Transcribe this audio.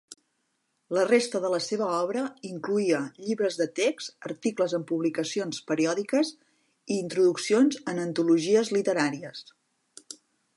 La resta de la seva obra incloïa llibres de text, articles en publicacions periòdiques i introduccions en antologies literàries.